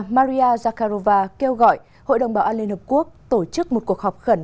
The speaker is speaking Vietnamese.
maria zakharova kêu gọi hội đồng bảo an liên hợp quốc tổ chức một cuộc họp khẩn